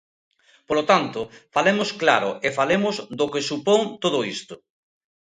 Polo tanto, falemos claro e falemos do que supón todo isto.